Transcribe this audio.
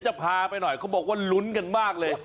จะพาไปหน่อยเขาบอกว่าลุ้นกันมากเลย